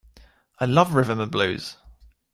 I love rhythm and blues!